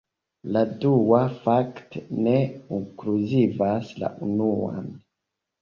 La dua, fakte, ne inkluzivas la unuan.